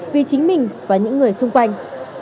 vì chính mình và những người xung quanh